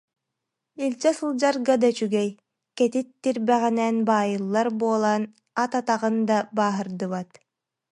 Илдьэ сылдьарга да үчүгэй, кэтит тирбэҕэнэн баайыллар буо- лан ат атаҕын да бааһырдыбат